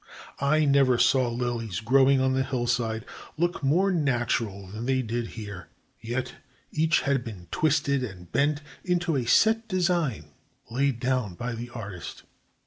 I never saw lilies growing on the hillside look more natural than they did here; yet each had been twisted and bent into a set design laid down by the artist.